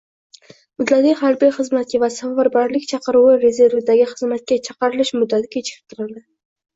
Muddatli harbiy xizmatga va safarbarlik chaqiruvi rezervidagi xizmatga chaqirilish muddati kechiktirildi.